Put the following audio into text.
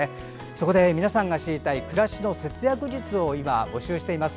そこで、皆さんが知りたい暮らしの節約術を募集しています。